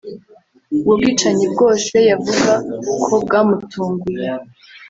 ubwo bwicanyi bwo se yavuga ko bwamutunguye